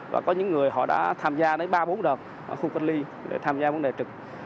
và có những người họ đã tham gia đến ba bốn đợt ở khu cách ly để tham gia vấn đề trực